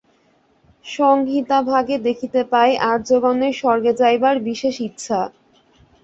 সংহিতাভাগে দেখিতে পাই, আর্যগণের স্বর্গে যাইবার বিশেষ ইচ্ছা।